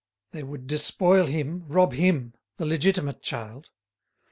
they would despoil him, rob him, the legitimate child!